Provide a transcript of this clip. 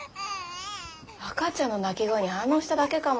赤ちゃんの泣き声に反応しただけかも。